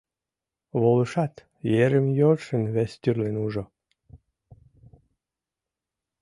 Волышат, ерым йӧршын вестӱрлын ужо.